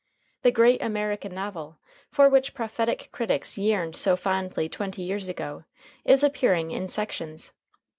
The "great American novel," for which prophetic critics yearned so fondly twenty years ago, is appearing in sections.